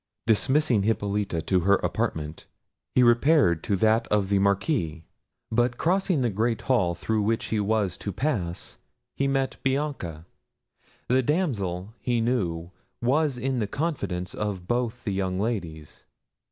Dismissing Hippolita to her apartment, he repaired to that of the Marquis; but crossing the great hall through which he was to pass he met Bianca. The damsel he knew was in the confidence of both the young ladies.